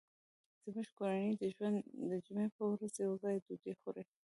زموږ کورنۍ د جمعې په ورځ یو ځای ډوډۍ خوري